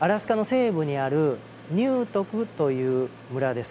西部にあるニュートクという村です。